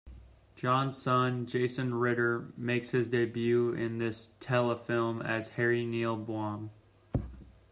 John's son, Jason Ritter, makes his debut in this telefilm as Harry Neal Baum.